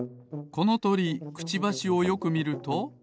このとりクチバシをよくみると。